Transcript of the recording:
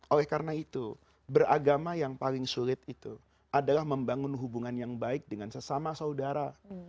oleh karena itu beragama yang paling sulit itu adalah membangun hubungan yang baik dengan sesama saudara